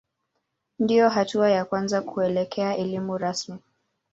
Ndiyo hatua ya kwanza kuelekea elimu rasmi.